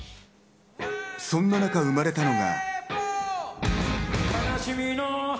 そんな中、生まれたのが。